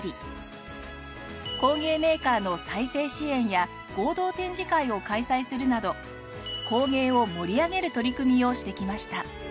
工芸メーカーの再生支援や合同展示会を開催するなど工芸を盛り上げる取り組みをしてきました。